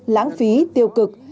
láng phí tiêu cực